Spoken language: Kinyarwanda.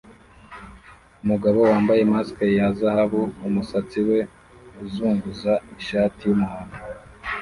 Umugabo yambaye mask ya zahabu umusatsi we uzunguza ishati y'umuhondo